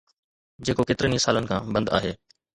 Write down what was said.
جيڪو ڪيترن ئي سالن کان بند آهي